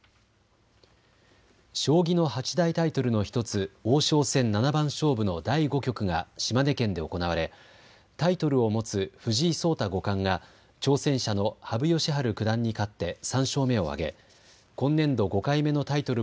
将棋の八大タイトルの１つ、王将戦七番勝負の第５局が島根県で行われ、タイトルを持つ藤井聡太五冠が挑戦者の羽生善治九段に勝って３勝目を挙げ今年度５回目のタイトル